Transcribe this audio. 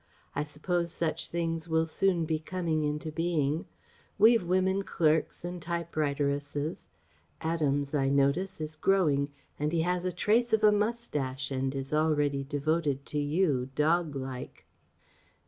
I suppose such things will soon be coming into being. We've women clerks and typewriteresses ... Adams, I notice, is growing, and he has the trace of a moustache and is already devoted to you ... dog like..."